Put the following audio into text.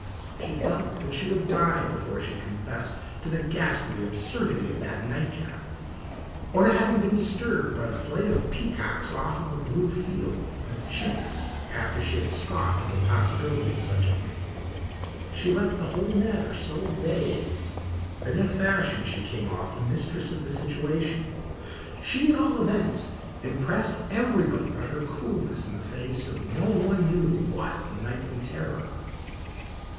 She felt that she would die before she confessed to the ghastly absurdity of that nightcap, or to having been disturbed by the flight of peacocks off a blue field of chintz after she had scoffed at the possibility of such a thing. She left the whole matter so vague that in a fashion she came off the mistress of the situation. She at all events impressed everybody by her coolness in the face of no one knew what nightly terror.